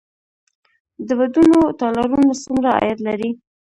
د ودونو تالارونه څومره عاید لري؟